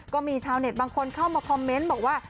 ก็มีชาวเน็ตบางคนเข้ามาคอมเมนต์บอกว่า